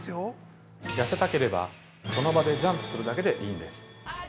痩せたければ、その場でジャンプするだけでいいんです。